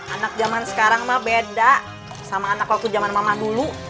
anak zaman sekarang mah beda sama anak waktu zaman mama dulu